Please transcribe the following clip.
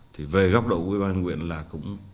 thì về góc độ của ủy ban huyện là cũng